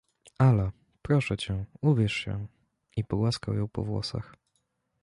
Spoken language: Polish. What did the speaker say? — Ala, proszę cię, ubierz się — i pogłaskał ją po włosach.